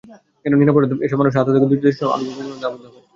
নিরপরাধ এসব মানুষের আত্মত্যাগে দুই দেশের সম্পর্ক আরও গভীর বন্ধনে আবদ্ধ হবে।